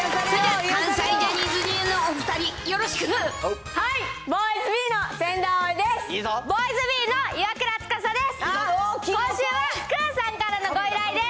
今週はくぅさんからのご依頼です。